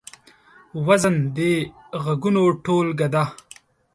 وزن د غږونو ټولګه ده.